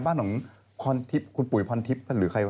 บ้านของพรทิพย์คุณปุ๋ยพรทิพย์หรือใครว